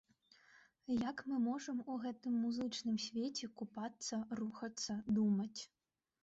Як мы можам у гэтым музычным свеце купацца, рухацца, думаць.